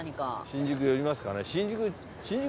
新宿寄りますかね。